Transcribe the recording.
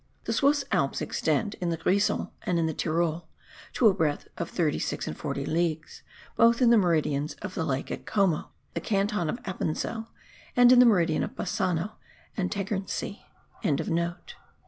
The Swiss Alps extend, in the Grisons and in the Tyrol, to a breadth of 36 and 40 leagues, both in the meridians of the lake at Como, the canton of Appenzell, and in the meridian of Bassano and Tegernsee.)